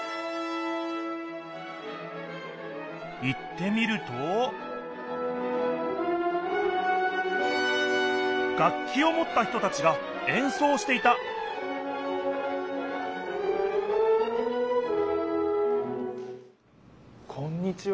行ってみると楽きをもった人たちがえんそうをしていたこんにちは。